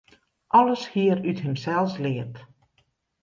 Alles hie er út himsels leard.